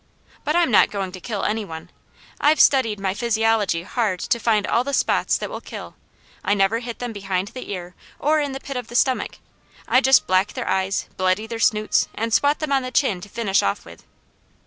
But I'm not going to kill any one. I've studied my physiology hard to find all the spots that will kill. I never hit them behind the ear, or in the pit of the stomach; I just black their eyes, bloody their snoots, and swat them on the chin to finish off with."